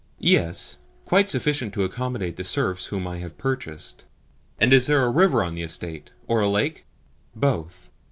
"Yes; quite sufficient to accommodate the serfs whom I have purchased." "And is there a river on the estate or a lake?" "Both."